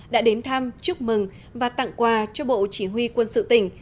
đã đến thăm chúc mừng và tặng quà cho bộ chỉ huy quân sự tỉnh